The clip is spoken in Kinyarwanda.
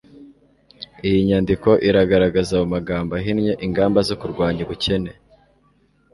iyi nyandiko iragaragaza, mu magambo ahinnye, ingamba zo kurwanya ubukene